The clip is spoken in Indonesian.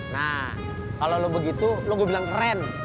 nah kalau lo begitu lo gue bilang keren